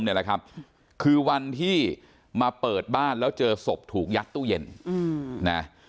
นี่แหละครับคือวันที่มาเปิดบ้านแล้วเจอศพถูกยัดตู้เย็นนะ